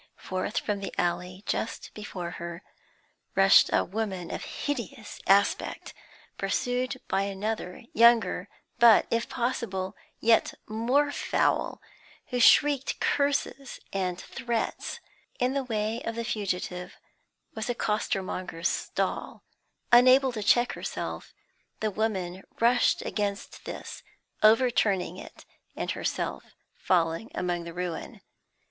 Forth from the alley, just before her, rushed a woman of hideous aspect, pursued by another, younger, but, if possible, yet more foul, who shrieked curses and threats. In the way of the fugitive was a costermonger's stall; unable to check herself, the woman rushed against this, overturning it, and herself falling among the ruin.